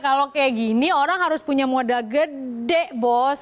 kalau kayak gini orang harus punya modal gede bos